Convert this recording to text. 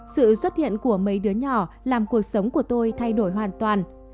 sự xuất hiện của mấy đứa nhỏ làm cuộc sống của tôi thay đổi hoàn toàn